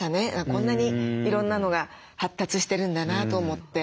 こんなにいろんなのが発達してるんだなと思って。